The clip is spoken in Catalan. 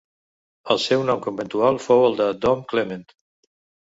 El seu nom conventual fou el de Dom Clement.